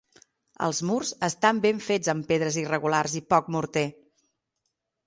Els murs estan ben fets amb pedres irregulars i poc morter.